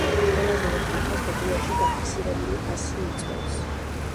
ყველაზე მეტ კითხვას დოკუმენტში დაფიქსირებული ფასი იწვევს.